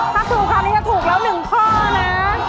ถ้าถูกคำนี้จะถูกแล้ว๑ข้อนะ